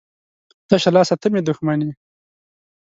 ـ تشه لاسه ته مې دښمن یې.